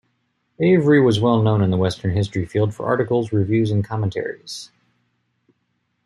Avery was well known in the western history field for articles, reviews and commentaries.